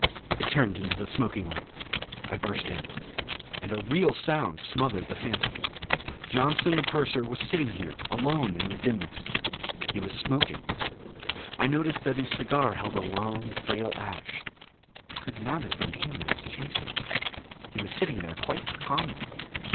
It turned into the smoking room. I burst in. And a real sound smothered the phantom. Johnson the purser was sitting here alone in the dimness. He was smoking. I noticed that his cigar held a long frail ash. It could not have been him I was chasing. He was sitting there quite calmly.